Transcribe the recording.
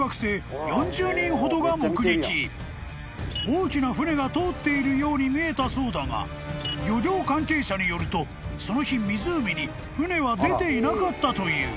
［大きな船が通っているように見えたそうだが漁業関係者によるとその日湖に船は出ていなかったという］